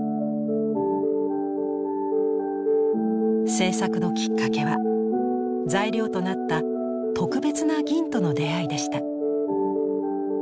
制作のきっかけは材料となった特別な銀との出会いでした。